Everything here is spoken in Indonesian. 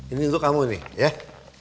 ini untuk kamu nih